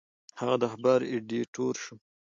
هغه د اخبار ایډیټور شو.